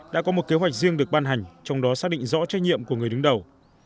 đã có một kế hoạch riêng được ban hành trong đó xác định rõ trách nhiệm của người đứng đầu